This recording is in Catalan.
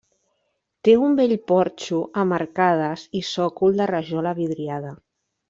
Té un bell porxo amb arcades i sòcol de rajola vidriada.